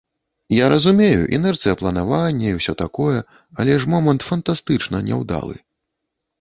Я разумею, інерцыя планавання і ўсё такое, але ж момант фантастычна няўдалы.